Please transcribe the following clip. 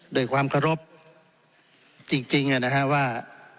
โดยความเคารพจริงนะครับว่า